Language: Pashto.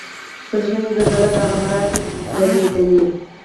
پۀ زړۀ مې زلزلې د غم راځي دلۍ، دلۍ